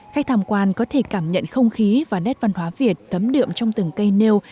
khách tham quan có thể cảm nhận không khí và nét văn hóa việt tấm đệm trong từng cây nêu